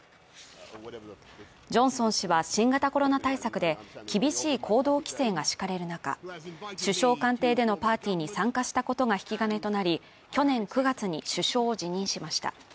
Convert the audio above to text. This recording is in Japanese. ジョンソン氏は新型コロナ対策で厳しい行動規制が敷かれる中、首相官邸でのパーティーに参加したことが引き金となり去年９月に首相を辞任しました。